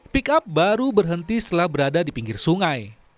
pick up baru berhenti setelah berada di pinggir sungai